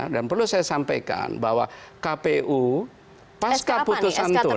dan perlu saya sampaikan bahwa kpu paska putusan tun